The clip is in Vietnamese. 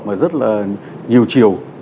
và rất là nhiều chiều